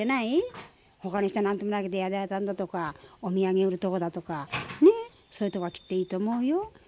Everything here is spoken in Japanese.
ほかの人は何ともないけど宿屋さんだとかお土産売るとこだとかねそういうとこはきっといいと思うよ。